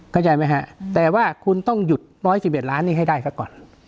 เข้าใจไหมฮะแต่ว่าคุณต้องหยุด๑๑๑ล้านนี้ให้ได้ซะก่อน